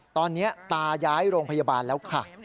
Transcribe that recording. ตอนนี้ตาย้ายโรงพยาบาลแล้วค่ะ